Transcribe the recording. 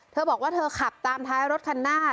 เธอบอกว่าเธอขับตามท้ายรถคันหน้า